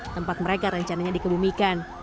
tempat mereka rencananya dikebumikan